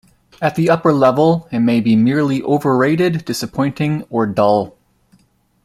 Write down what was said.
At the upper level it may merely be overrated, disappointing, or dull.